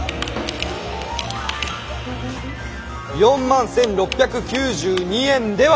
４万１，６９２円では？